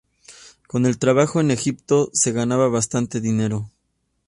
Con el trabajo en Egipto se ganaba bastante dinero.